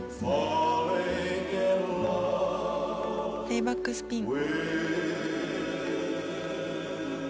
レイバックスピン。